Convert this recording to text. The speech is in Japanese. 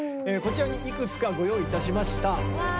こちらにいくつかご用意いたしました。